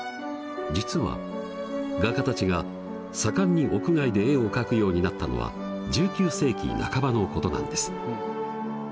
実は画家たちが盛んに屋外で絵を描くようになったのは１９世紀半ばのことなんです。